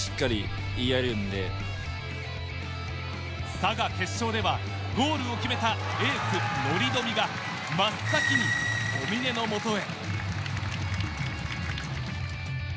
佐賀決勝では、ゴールを決めたエース・乗冨が真っ先に小峰のもとへ。